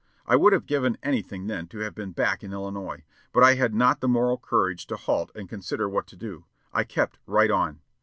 I would have given anything then to have been back in Illinois, but I had not the moral courage to halt and consider what to do; I kept right on.